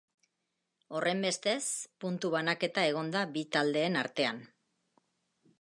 Horrenbestez, puntu banaketa egon da bi taldeen artean.